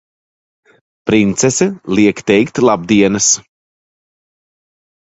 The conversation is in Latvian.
Princese liek teikt labdienas!